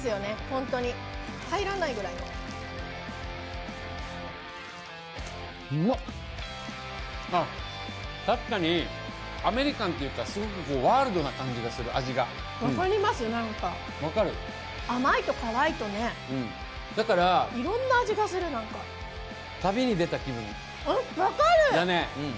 本当に入らないぐらいの確かにアメリカンというかすごくこうワールドな感じがする味が分かりますなんか分かる甘いと辛いとねいろんな味がするなんか分かる！